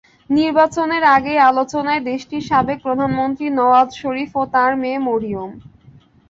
নির্বাচনের আগেই আলোচনায় দেশটির সাবেক প্রধানমন্ত্রী নওয়াজ শরিফ ও তাঁর মেয়ে মরিয়ম।